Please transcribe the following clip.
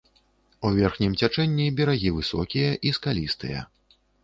У верхнім цячэнні берагі высокія і скалістыя.